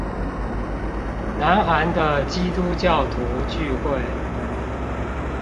南韓的基督教徒聚會